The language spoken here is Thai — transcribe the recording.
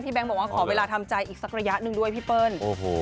พี่แบงค์บอกว่าขอเวลาทำใจอีกสักระยะหนึ่งด้วยพี่เปิ้ล